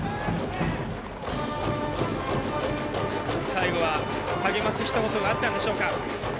最後は励ますひと言があったんでしょうか。